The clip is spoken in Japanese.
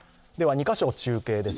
２カ所中継です。